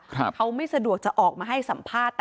เขาไม่สะดวกจะออกมาให้สัมภาษณ์